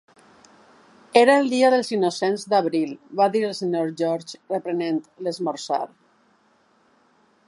"Era el dia dels innocents d'abril", va dir el Sr. George reprenent l'esmorzar.